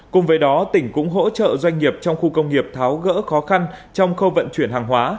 cùng với đó tỉnh cũng hỗ trợ doanh nghiệp trong khu công nghiệp tháo gỡ khó khăn trong khâu vận chuyển hàng hóa